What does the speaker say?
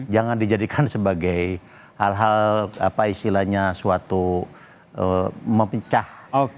jangan dijadikan sebagai hal hal apa istilahnya suatu mempecah